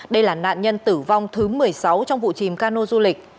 đây là nạn nhân tử vong thứ một mươi sáu trong vụ chìm cano du lịch